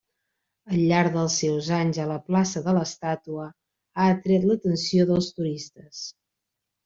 Al llarg dels seus anys a la plaça de l'estàtua ha atret l'atenció dels turistes.